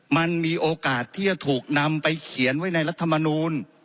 มันมีโอกาสที่จะถูกนำไปเขียนไว้ในรัฐมนูล